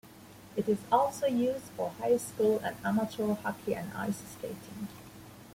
It is also used for high school and amateur hockey and ice skating.